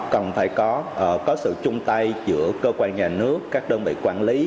cần phải có sự chung tay giữa cơ quan nhà nước các đơn vị quản lý